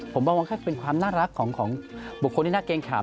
ผมมองว่าเป็นความน่ารักของบุคคลที่น่าเกรงข่าว